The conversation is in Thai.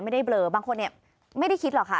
เบลอบางคนเนี่ยไม่ได้คิดหรอกค่ะ